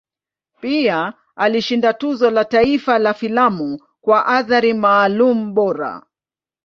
Pia alishinda Tuzo la Taifa la Filamu kwa Athari Maalum Bora.